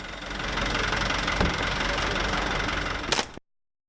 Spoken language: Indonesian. miftah farid pidijaya